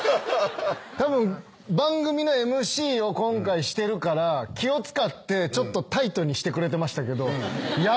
たぶん番組のＭＣを今回してるから気を使ってちょっとタイトにしてくれてましたけど。